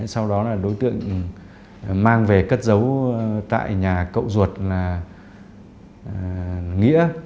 sau đó là đối tượng mang về cất giấu tại nhà cậu ruột là nghĩa